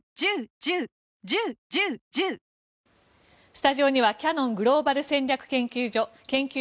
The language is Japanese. スタジオにはキヤノングローバル戦略研究所研究